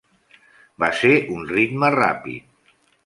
Va ser un ritme ràpid.